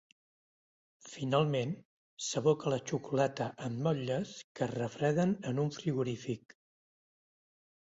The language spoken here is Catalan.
Finalment, s’aboca la xocolata en motlles, que es refreden en un frigorífic.